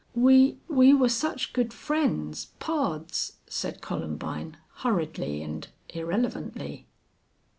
"We we were such good friends pards," said Columbine, hurriedly and irrelevantly.